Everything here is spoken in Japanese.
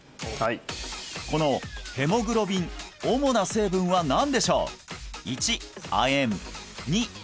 このヘモグロビン主な成分は何でしょう？